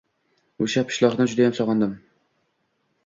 Oʻsha pishloqni judayam sogʻindim.